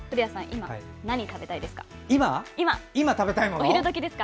今、何食べたいですか？